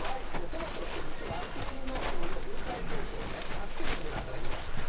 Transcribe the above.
トマトってアルコールの分解酵素を助けてくれる働きがある。